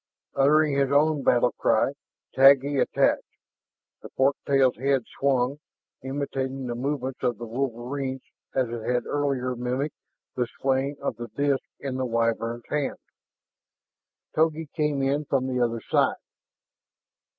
Uttering his own battle cry, Taggi attacked. The fork tail's head swung, imitating the movements of the wolverine as it had earlier mimicked the swaying of the disk in the Wyvern's hand. Togi came in from the other side.